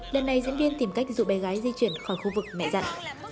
lần này diễn viên tìm cách rủ bé gái di chuyển khỏi khu vực mẹ dặn